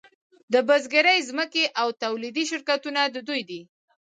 د بزګرۍ ځمکې او تولیدي شرکتونه د دوی دي